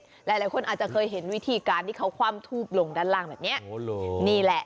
ทุกคนอาจจะเคยเห็นวิธีการที่เขาคว่ำทูบลงด้านล่างแบบนี้